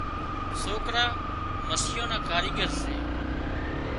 سوڪرا مسيان نا ڪاريڳر سي